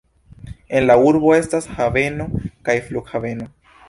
En la urbo estas haveno kaj flughaveno.